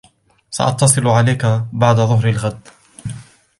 سأتصل عليك بعد ظهر الغد.